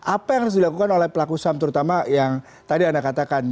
apa yang harus dilakukan oleh pelaku saham terutama yang tadi anda katakan